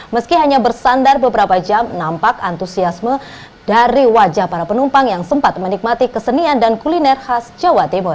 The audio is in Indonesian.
meski hanya bersandar beberapa jam nampak antusiasme dari wajah para penumpang yang sempat menikmati kesenian dan kuliner khas jawa timur